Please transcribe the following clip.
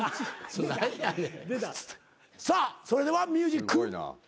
さあそれではミュージック。スタート！